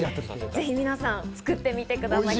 ぜひ皆さん作ってみてください。